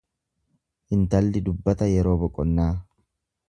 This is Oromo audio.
Intalli dubbata yeroo boqonnaa.